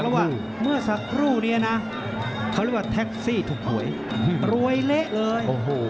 เพราะว่าเมื่อสักครู่นี้นะเขาเรียกว่าแท็กซี่ถูกหวยรวยเละเลย